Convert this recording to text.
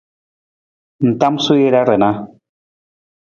Ng tamasuu jara rana.